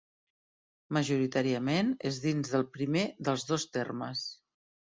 Majoritàriament és dins del primer dels dos termes.